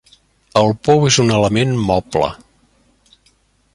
El pou és un element moble.